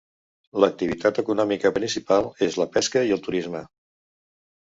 L'activitat econòmica principal és la pesca i el turisme.